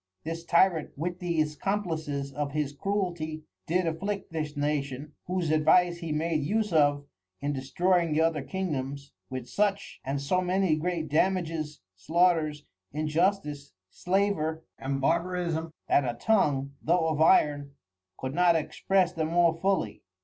This Tyrant with these Complices of his Cruelty did afflict this Nation (whose advice he made use of in destroying the other Kingdoms) with such and so many great Dammages, Slaughters, Injustice, Slaver, and Barbarisme, that a Tongue, though of Iron, could not express them all fully.